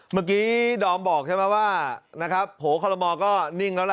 เมื่อกี้ดอมบอกใช่ไหมว่าโหคลมมอก็นิ่งแล้วล่ะ